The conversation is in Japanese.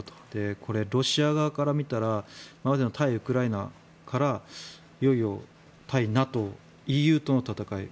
これ、ロシア側から見たら対ウクライナからいよいよ対ＮＡＴＯ、ＥＵとの戦い